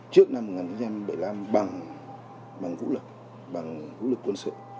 trước năm một nghìn chín trăm bảy mươi năm bằng vũ lực bằng vũ lực quân sự